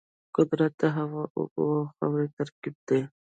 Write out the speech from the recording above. قدرت د هوا، اوبو او خاورو ترکیب دی.